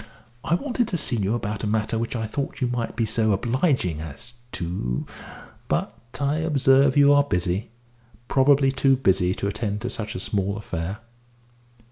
I wanted to see you about a matter which I thought you might be so obliging as to But I observe you are busy probably too busy to attend to such a small affair."